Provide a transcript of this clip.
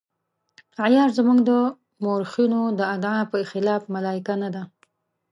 عیار زموږ د مورخینو د ادعا په خلاف ملایکه نه ده.